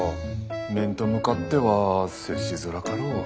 面と向かっては接しづらかろう。